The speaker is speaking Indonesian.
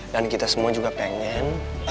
dan kita semua juga pengen